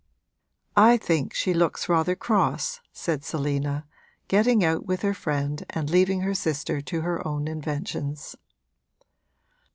'I think she looks rather cross,' said Selina, getting out with her friend and leaving her sister to her own inventions.